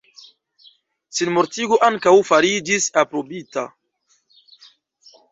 Sinmortigo ankaŭ fariĝis aprobita.